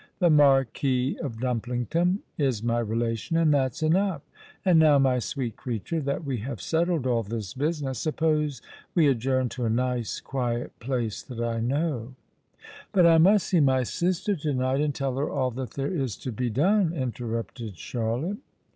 The Marquis of Dumplington is my relation—and that's enough. And now, my sweet creature, that we have settled all this business—suppose we adjourn to a nice quiet place that I know——" "But I must see my sister to night and tell her all that there is to be done," interrupted Charlotte.